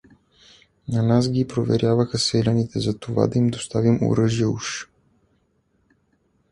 На нас ги поверяваха селяните, за това да им доставим оръжия уж.